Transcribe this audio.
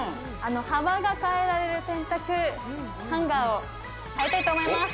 幅が変えられる洗濯ハンガーを買いたいと思います。